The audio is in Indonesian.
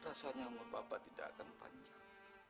rasanya mau bapak tidak akan panjang